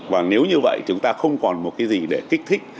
và nếu như vậy chúng ta không còn một cái gì để kích thích